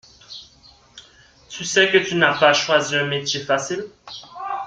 Tu sais que tu n’as pas choisi un métier facile.